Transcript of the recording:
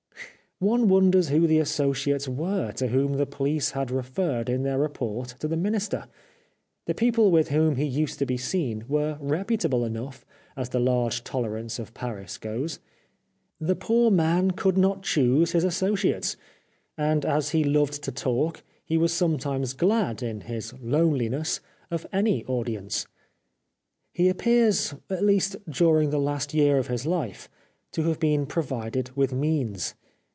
One wonders who the associates were to whom the police had referred in their report to the Minister. The people with whom he used to be seen were reputable enough as the large tolerance of Paris goes. The poor man could not choose his associates, and as he loved to talk he 419 The Life of Oscar Wilde was sometimes glad^ in his loneliness, of any audience. He appears, at least during the last year of his life, to have been provided with means.